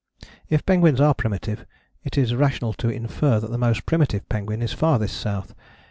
If penguins are primitive, it is rational to infer that the most primitive penguin is farthest south.